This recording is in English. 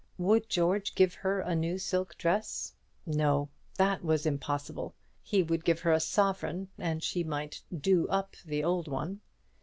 Would George give her a new silk dress? No; that was impossible. He would give her a sovereign, and she might "do up" the old one.